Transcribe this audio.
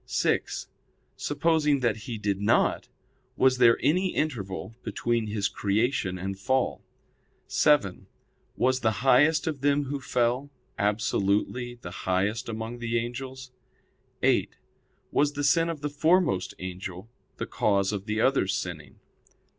(6) Supposing that he did not, was there any interval between his creation and fall? (7) Was the highest of them who fell, absolutely the highest among the angels? (8) Was the sin of the foremost angel the cause of the others sinning?